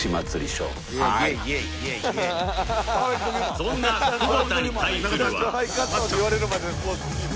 そんな久保田に対するは